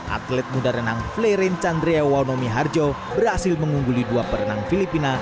atlet muda renang fleiren candrea wawonomi harjo berhasil mengungguli dua perenang filipina